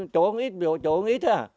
chỗ ít chỗ ít đó